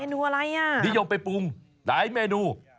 เมนูอะไรน่ะนี่ยกไปปรุงไหนเมนู